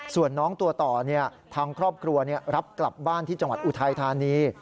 ส่วนน้องตัวต่อทางครอบครัวรับกลับบ้านที่จังหวัดอุทัยธานี